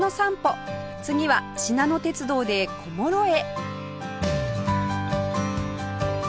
次はしなの鉄道で小諸へ